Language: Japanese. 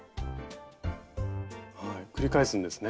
繰り返すんですね。